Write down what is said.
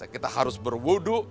kita harus berwudu